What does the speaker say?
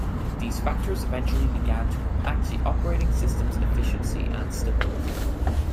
These factors eventually began to impact the operating system's efficiency and stability.